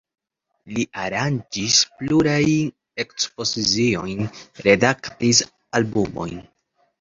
Li aranĝis plurajn ekspoziciojn, redaktis albumojn.